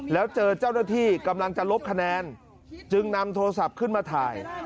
แล้วเจอเจ้าหน้าที่กำลังจะลบคะแนนจึงนำโทรศัพท์ขึ้นมาถ่าย